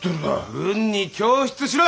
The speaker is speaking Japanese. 軍に供出しろ！